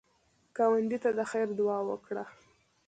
ګاونډي ته د خیر دعا وکړه